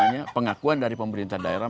kalau sudah ada pengakuan dari pemerintah daerah